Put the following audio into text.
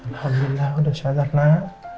alhamdulillah udah sadar nak